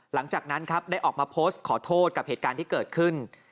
หลังจากนั้นครับได้ออกมาโพสต์ขอโทษกับเหตุการณ์ที่เกิดขึ้น